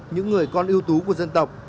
những người con yêu tú của dân tộc